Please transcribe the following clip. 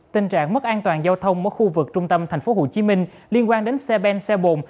tình trạng mất an toàn giao thông ở khu vực trung tâm thành phố hồ chí minh liên quan đến xe bèn xe bồn